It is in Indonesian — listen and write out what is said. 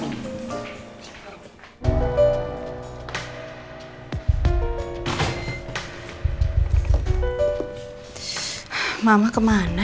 hadir semua yang penting ini mak